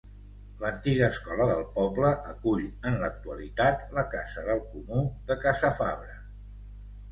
L'antiga escola del poble acull en l'actualitat la Casa del Comú de Casafabre.